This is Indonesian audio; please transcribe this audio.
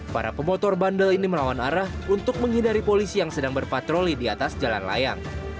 para pemotor bandel ini melawan arah untuk menghindari polisi yang sedang berpatroli di atas jalan layang